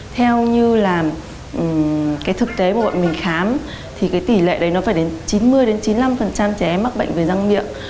theo như là cái thực tế của bọn mình khám thì cái tỷ lệ đấy nó phải đến chín mươi chín mươi năm trẻ em mắc bệnh về răng miệng